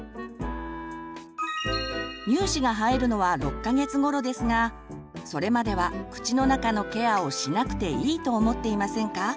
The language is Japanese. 乳歯が生えるのは６か月ごろですがそれまでは口の中のケアをしなくていいと思っていませんか？